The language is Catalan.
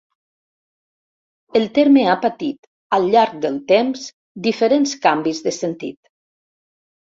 El terme ha patit al llarg del temps diferents canvis de sentit.